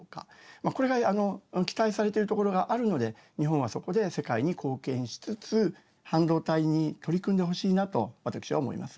これが期待されているところがあるので日本はそこで世界に貢献しつつ半導体に取り組んでほしいなと私は思います。